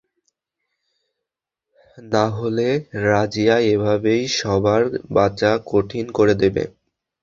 নাহলে রাজিয়া এভাবেই সবার বাঁচা কঠিন করে দিবে।